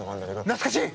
懐かしい！